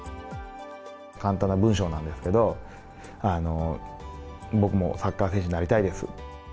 簡単な文章なんですけど、僕もサッカー選手になりたいです。